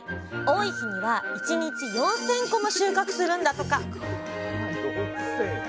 多い日には１日４，０００個も収穫するんだとか！